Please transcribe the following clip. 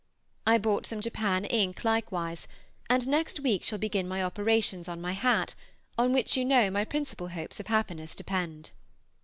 I bought some Japan ink likewise, and next week shall begin my operations on my hat, on which you know my principal hopes of happiness depend.